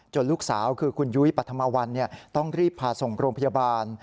จนลูกสาวคือคุณยุ้ยปัฒมาวันเนี่ยต้องรีบผ่าส่งโรงพยาบาล